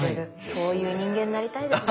そういう人間になりたいですね。